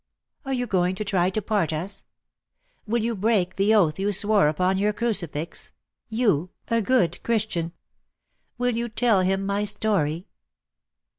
Are you going to try to part us? Will you break the oath you swore upon your crucifix — you, a good Christian? Will you tell him my story?"